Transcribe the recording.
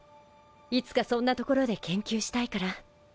いつかそんな所で研究したいから。